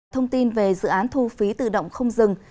thông tin về dự án thu phí tự động không dừng